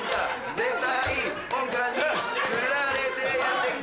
絶対音感につられてやって来た